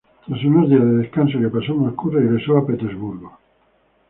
Tras unos días de descanso que pasó en Moscú, regresó a Leningrado.